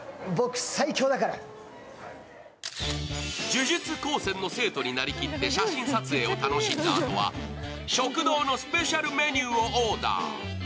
呪術高専の生徒に成りきって写真撮影を楽しんだあとは、食堂のスペシャルメニューをオーダー。